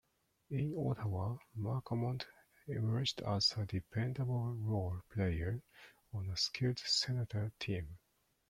In Ottawa, McAmmond emerged as a dependable role player on a skilled Senator team.